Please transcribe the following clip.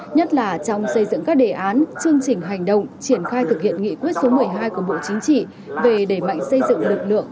nhất là trong xây dựng các đề án chương trình hành động triển khai thực hiện nghị quyết số một mươi hai của bộ chính trị về đẩy mạnh xây dựng lực lượng công an nhân dân